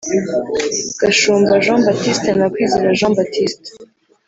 Gashumba Jean Baptiste na Kwizera Jean Baptiste